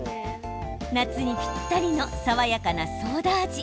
夏にぴったりの爽やかなソーダ味。